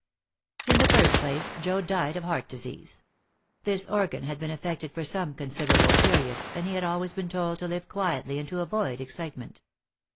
In the first place, Joad died of heart disease. This organ had been affected for some considerable period, and he had always been told to live quietly and to avoid excitement.